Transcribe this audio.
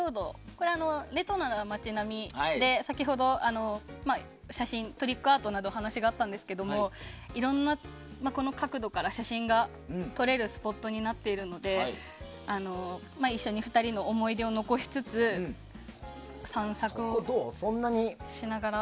これは、レトロな町並みで先ほど、トリックアートなどの話がありましたがいろんな角度から写真が撮れるスポットになっているので一緒に２人の思い出を残しつつ散策をしながら。